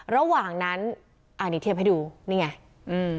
ระหว่างนั้นอ่านี่เทียบให้ดูนี่ไงอืม